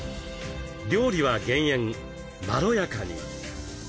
料理は減塩まろやかに。